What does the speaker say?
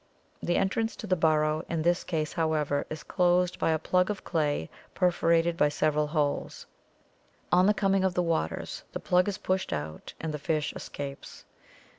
The entrance to the burrow in this case, however, is closed by a plug of clay perforated by several holes. On the coming of the waters the plug is pushed out and the fish escapes.